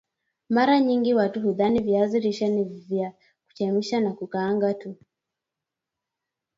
Mara nyingi watu hudhani viazi lishe ni vya kuchemsha na kukaanga tu